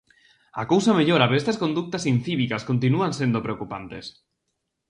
A cousa mellora pero estas condutas incívicas continúan sendo preocupantes.